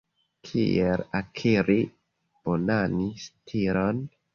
Kiel akiri bonan stilon?